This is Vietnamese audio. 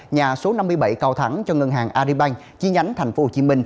nhà số năm mươi bảy cao thắng cho ngân hàng aribank chi nhánh tp hcm